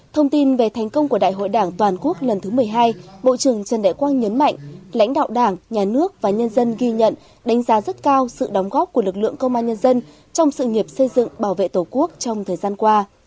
thông tin về thành công của đại hội đảng toàn quốc lần thứ một mươi hai bộ trưởng trần đại quang nhấn mạnh lãnh đạo đảng nhà nước và nhân dân ghi nhận đánh giá rất cao sự đóng góp của lực lượng công an nhân dân trong sự nghiệp xây dựng bảo vệ tổ quốc trong thời gian qua